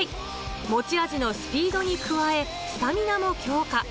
持ち味のスピードに加え、スタミナも強化。